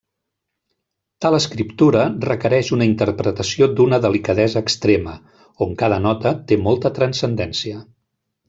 Tal escriptura requereix una interpretació d'una delicadesa extrema, on cada nota té molta transcendència.